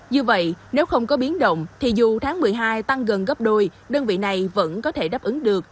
như vậy nếu không có biến động thì dù tháng một mươi hai tăng gần gấp đôi đơn vị này vẫn có thể đáp ứng được